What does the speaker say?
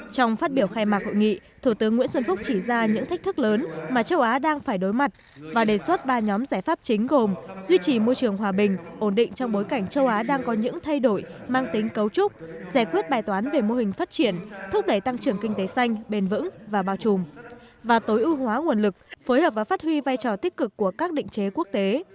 trong phát biểu khai mạc hội nghị thủ tướng nguyễn xuân phúc chỉ ra những thách thức lớn mà châu á đang phải đối mặt và đề xuất ba nhóm giải pháp chính gồm duy trì môi trường hòa bình ổn định trong bối cảnh châu á đang có những thay đổi mang tính cấu trúc giải quyết bài toán về mô hình phát triển thúc đẩy tăng trưởng kinh tế xanh bền vững và bao trùm và tối ưu hóa nguồn lực phối hợp và phát huy vai trò tích cực của các định chế quốc tế